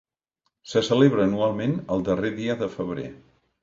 Se celebra anualment el darrer dia de febrer.